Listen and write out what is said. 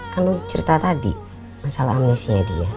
kan lo cerita tadi masalah amnesia dia